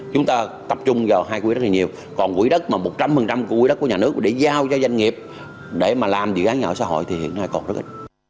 chúng ta tập trung vào hai quỹ đất này nhiều còn quỹ đất mà một trăm linh của quỹ đất của nhà nước để giao cho doanh nghiệp để mà làm dự án nhỏ xã hội thì hiện nay còn rất ít